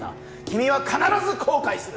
君は必ず後悔する！